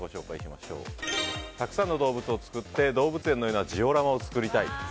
たくさんの動物を作って動物園のようなジオラマを作りたい。